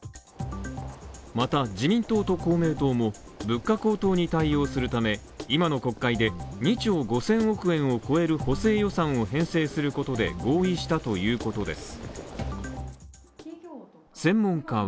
また自民党と公明党も、物価高騰に対応するため、今の国会で２兆５０００億円を超える補正予算を編成することで合意したということです。